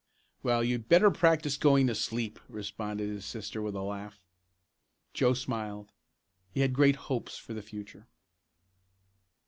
"Well, you'd better practice going to sleep," responded his sister with a laugh. Joe smiled. He had great hopes for the future.